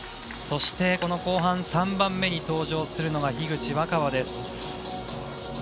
そして後半３番目に登場するのが樋口新葉です。